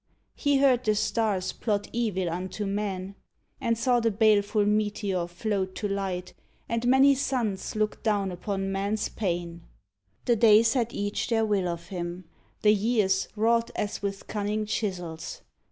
He heard the stars plot evil unto man. 97 JUS'TICE And saw the baleful meteor float to light And many suns look down upon man's pain. The days had each their will of him. The years Wrought as with cunning chisels.